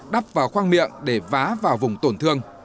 đắp vào khoang miệng để vá vào vùng tổn thương